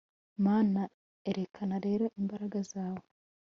mana, erekana rero imbaraga zawe